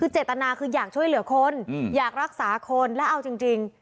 คือเจตนาคืออยากช่วยเหลือคนอยากรักษาคนแล้วเอาจริง